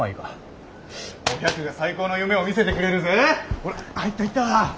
ほら入った入った。